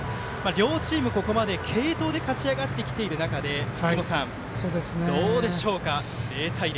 両チーム、ここまで継投で勝ち上がってきている中でどうでしょうか、０対０。